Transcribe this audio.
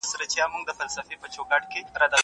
که چيري علم سرته ورسېږي، نو پایله به مثبته وي.